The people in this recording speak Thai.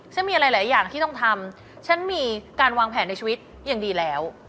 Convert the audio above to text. มีอะไรหลายอย่างที่ต้องทำฉันมีการวางแผนในชีวิตอย่างดีแล้ว